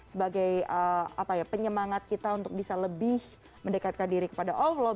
sebagai penyemangat kita untuk bisa lebih mendekatkan diri kepada allah